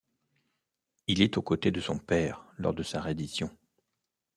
Il est aux côtés de son père lors de sa reddition.